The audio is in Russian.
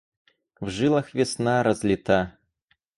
В жилах весна разлита.